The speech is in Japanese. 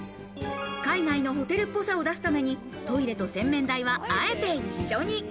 海外のホテルっぽさを出すために、トイレと洗面台はあえて一緒に。